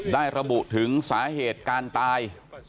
ระบุถึงสาเหตุการตาย